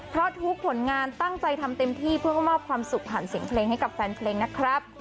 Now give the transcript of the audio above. เพราะทุกผลงานตั้งใจทำเต็มที่เพื่อมอบความสุขผ่านเสียงเพลงให้กับแฟนเพลงนะครับ